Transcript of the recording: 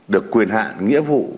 được quyền hạ nghĩa vụ